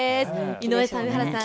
井上さん、上原さん